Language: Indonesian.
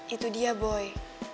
itu dia boy